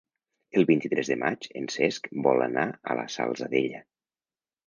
El vint-i-tres de maig en Cesc vol anar a la Salzadella.